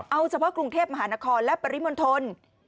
เอาเฉพาะกรุงเทพมหานครและปริมณฑล